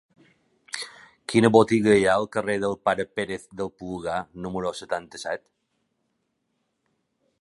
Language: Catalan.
Quina botiga hi ha al carrer del Pare Pérez del Pulgar número setanta-set?